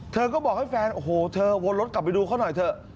เธอก็บอกให้แฟนโอ้โหเธอวนรถกลับไปดูเขาหน่อยเถอะ